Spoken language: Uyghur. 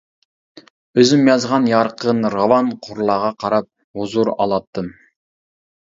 ئۆزۈم يازغان يارقىن، راۋان قۇرلارغا قاراپ ھۇزۇر ئالاتتىم.